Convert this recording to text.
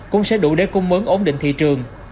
cũng sẽ đủ để cung ứng ổn định thị trường